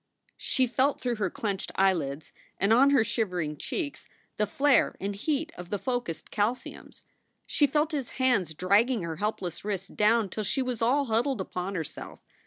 She felt through her clenched eyelids and on her shivering cheeks the flare and heat of the focused calciums. She felt his hands dragging her helpless wrists down till she was all huddled upon herself.